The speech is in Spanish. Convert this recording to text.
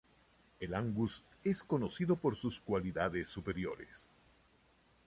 El Angus es conocido por sus cualidades superiores.